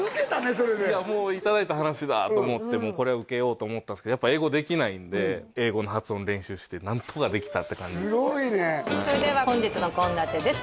それでもういただいた話だと思ってこれは受けようと思ったんですけどやっぱ英語できないんで英語の発音練習して何とかできたって感じすごいねそれでは本日の献立です